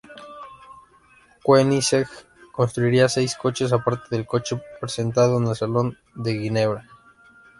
Koenigsegg construirá seis coches aparte del coche presentado en el Salón de Ginebra.